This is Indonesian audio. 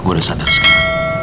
aku udah sadar sekali